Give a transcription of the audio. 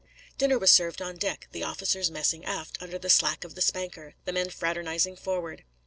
Dinner was served on deck, the officers messing aft under the slack of the spanker, the men fraternising forward.